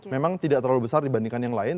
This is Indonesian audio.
memang tidak terlalu besar dibandingkan yang lain